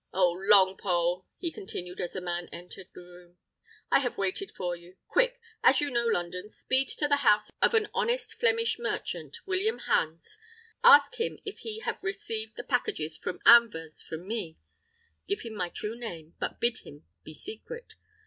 Oh, Longpole!" he continued, as the man entered the room, "I have waited for you. Quick! As you know London, speed to the house of an honest Flemish merchant, William Hans; ask him if he have received the packages from Anvers for me. Give him my true name, but bid him be secret.